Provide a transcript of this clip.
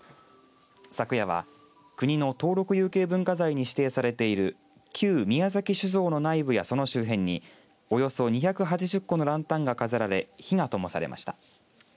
昨夜は国の登録有形文化財に指定されている旧宮崎酒造の内部やその周辺におよそ２８０個のランタンが飾られ火がともされました。